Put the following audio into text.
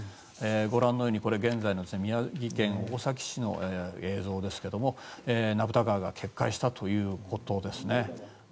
ご覧のように現在の宮城県大崎市の映像ですが名蓋川が決壊したということですね。